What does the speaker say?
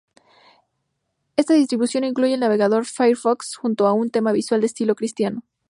Esta distribución incluye el navegador Firefox junto a un tema visual de estilo cristiano.